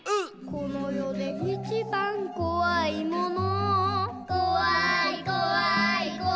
「このよでいちばんこわいもの」